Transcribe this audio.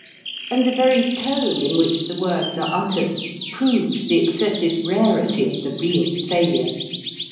And the very tone in which the words are uttered proves the excessive rarity of the real failure.